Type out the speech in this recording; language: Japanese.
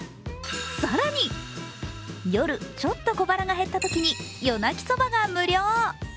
更に、夜ちょっと小ばらが減ったときに夜なきそばが無料。